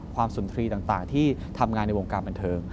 สุนทรีย์ต่างที่ทำงานในวงการบันเทิง